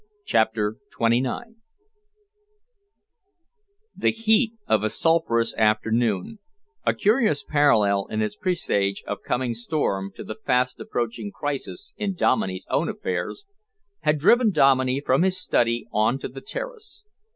CHAPTER XXIX The heat of a sulphurous afternoon a curious parallel in its presage of coming storm to the fast approaching crisis in Dominey's own affairs had driven Dominey from his study on to the terrace.